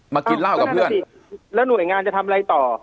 กินเหล้ากับเพื่อนแล้วหน่วยงานจะทำอะไรต่อ